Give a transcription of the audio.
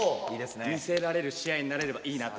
見せられる試合になれればいいなと。